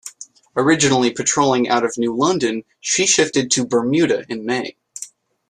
Originally patrolling out of New London, she shifted to Bermuda in May.